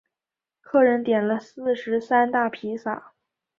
客人点了四十三大披萨